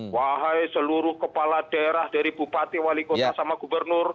wahai seluruh kepala daerah dari bupati wali kota sama gubernur